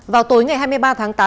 vào tối ngày hai mươi ba tháng tám